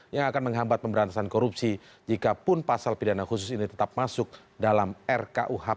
yang akan menghambat pemberantasan korupsi jikapun pasal pidana khusus ini tetap masuk dalam rkuhp